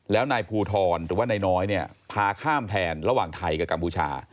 แล้วนายภูทรหรือว่านายน้อยเนี่ยพาข้ามแทนระหว่างไทยกับกัมพูชา